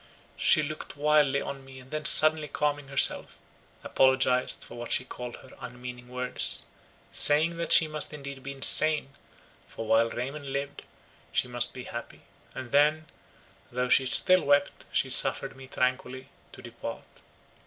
She looked wildly on me, and then suddenly calming herself, apologized for what she called her unmeaning words, saying that she must indeed be insane, for, while Raymond lived, she must be happy; and then, though she still wept, she suffered me tranquilly to depart.